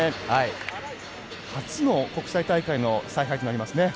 初の国際大会の采配となりますね。